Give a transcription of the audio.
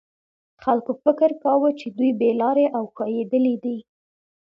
خلکو فکر کاوه چې دوی بې لارې او ښویېدلي دي.